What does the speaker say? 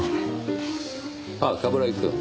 あっ冠城くん。